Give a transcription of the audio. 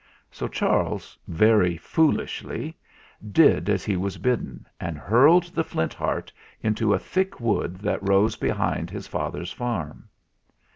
So Charles, very foolishly, did as he was bidden and hurled the Flint Heart into a thick wood that rose be hind his father's farm.